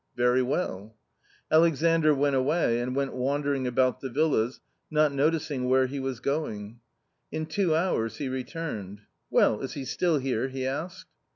u Very well." Alexandr went away and went wandering about the villas, not noticing where he was going. In two hours he re turned. " Well, is he still here?" he asked.